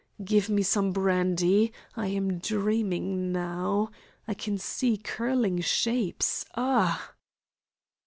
Give me some brandy. I am dreaming now. I can see curling shapes. Ah!"